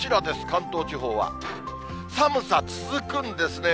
関東地方は、寒さ続くんですね。